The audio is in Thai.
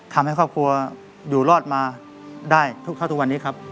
ทำให้ครอบครัวอยู่รอดมาได้ทุกเท่าทุกวันนี้ครับ